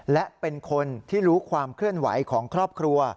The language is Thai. และเป็นคนที่รู้ความเคลื่อนไหวของครอบครัว